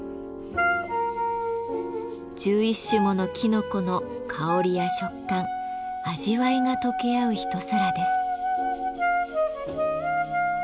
１１種ものきのこの香りや食感味わいが溶け合う一皿です。